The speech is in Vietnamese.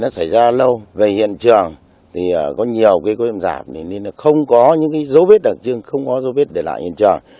xảy ra lâu về hiện trường thì có nhiều cái cơ hội giảm nên là không có những cái dấu vết đặc trưng không có dấu vết để lại hiện trường